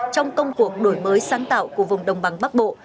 trong công cuộc đổi mới sáng tạo của vùng đồng bằng bắc bộ